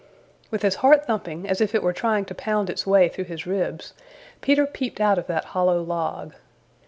With his heart thumping as if it were trying to pound its way through his ribs, Peter peeped out of that hollow log.